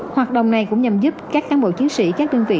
hoạt động này cũng nhằm giúp các cán bộ chiến sĩ các đơn vị